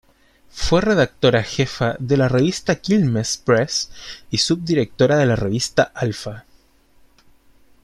Fue redactora jefa de la revista Quilmes Press y subdirectora de la revista Alfa.